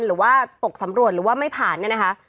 หรือว่าตกสำรวจหรือว่าไม่ผ่านเนี่ยนะคะ